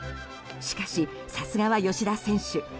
しかし、さすがは吉田選手